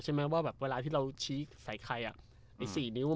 ใช่ไหมว่าแบบเวลาที่เราชี้ใสคัยอะไอ้สี่นิ้วมัน